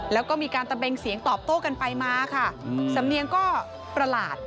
แล้วก็มีการตะเบงเสียงตอบโต้กันไปมาค่ะสำเนียงก็ประหลาด